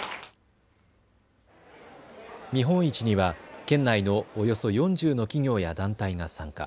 見本市には県内のおよそ４０の企業や団体が参加。